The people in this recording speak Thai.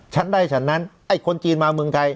ฉันได้ฉันนั้นไอ้คนจีนมาเมืองไทย